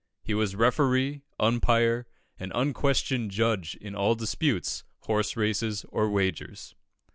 He was referee, umpire, and unquestioned judge in all disputes, horse races, or wagers.